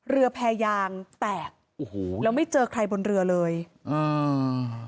แพรยางแตกโอ้โหแล้วไม่เจอใครบนเรือเลยอ่า